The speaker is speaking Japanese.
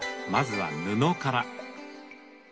まずは布から。